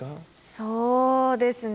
そうですね。